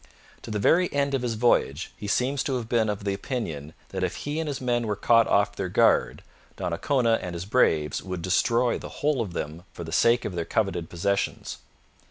To the very end of his voyage he seems to have been of the opinion that if he and his men were caught off their guard, Donnacona and his braves would destroy the whole of them for the sake of their coveted possessions.